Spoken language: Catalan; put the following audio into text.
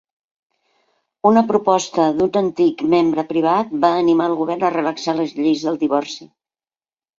Una proposta d'un antic membre privat va animar el govern a relaxar les lleis del divorci.